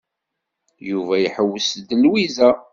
Yuba iḥewwes d Lwiza.